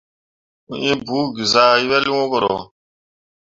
Mo inɓugezah wel wũ koro.